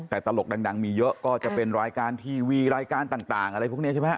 แต่ตลกดังมีเยอะก็จะเป็นรายการทีวีรายการต่างอะไรพวกนี้ใช่ไหมฮ